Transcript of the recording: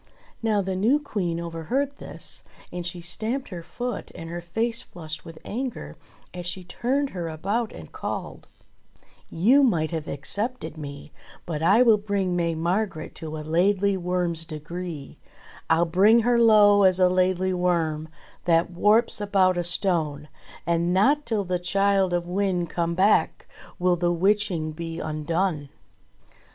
'* Now the new Queen overheard this, and she stamped her foot and her face flushed with anger as she turned her about and called : "You might have excepted me, But I will bring May Margret to a Laidly Worm's degree; I'll bring her low as a Laidly Worm That warps about a stone. And not till the Childe of Wynde come back Will the witching be undone."